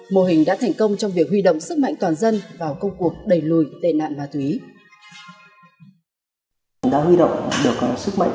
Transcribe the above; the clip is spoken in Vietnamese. mô hình đã thành công trong việc huy động sức mạnh toàn dân vào công cuộc đẩy lùi tệ nạn ma túy